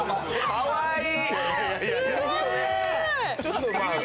かわいい。